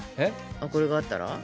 あっこれがあったら？